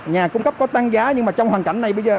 nhà cung cấp có tăng giá nhưng mà trong hoàn cảnh này bây giờ